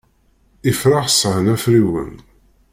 Ifrax sεan afriwen.